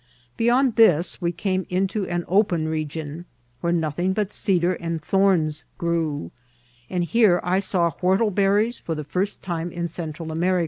Beyond this we came into an open region, where nothing but cedar and thorns grew ; and here I saw whortleberries for the first time in Central America.